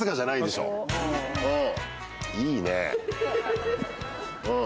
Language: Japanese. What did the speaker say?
いいね。